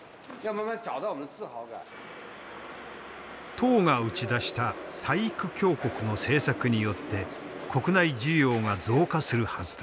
党が打ち出した体育強国の政策によって国内需要が増加するはずだ。